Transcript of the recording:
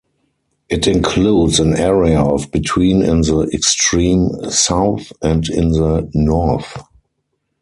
It includes an area of between in the extreme south and in the north.